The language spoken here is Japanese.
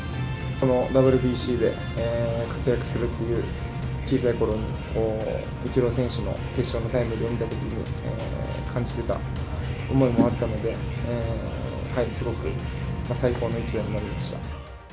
このＷＢＣで活躍するっていう、小さいころにイチロー選手の決勝のタイムリーを見たときに感じてた思いもあったので、すごく最高の一打になりました。